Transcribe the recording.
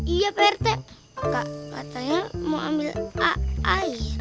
iya pak rt kak katanya mau ambil air